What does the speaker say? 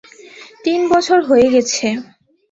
তিন বছর হয়ে গেছে।